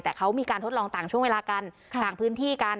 แต่เขามีการทดลองต่างช่วงเวลากันต่างพื้นที่กัน